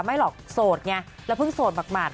ไม่หรอกโสดไงแล้วเพิ่งโสดหมาก